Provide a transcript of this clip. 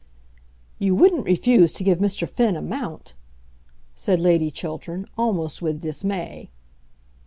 "You wouldn't refuse to give Mr. Finn a mount!" said Lady Chiltern, almost with dismay.